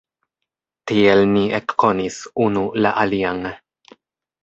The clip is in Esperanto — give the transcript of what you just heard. Tiel ni ekkonis unu la alian.